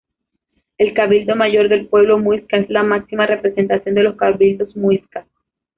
El Cabildo Mayor del Pueblo Muisca, es la máxima representación de los Cabildos Muiscas.